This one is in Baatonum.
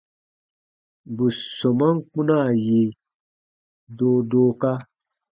Bù sɔmaan kpunaa yi doodooka.